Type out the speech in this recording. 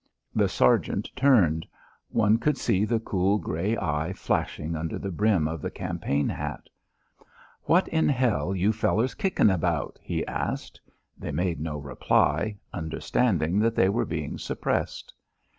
The sergeant turned. One could see the cool grey eye flashing under the brim of the campaign hat. "What in hell you fellers kickin' about?" he asked. They made no reply, understanding that they were being suppressed.